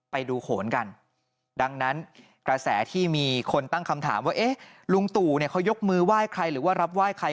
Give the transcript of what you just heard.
ไปดูโขนกันดังนั้นกระแสที่มีคนตั้งคำถามว่าเอ๊ะลุงตู่เนี่ยเขายกมือไหว้ใครหรือว่ารับไหว้ใคร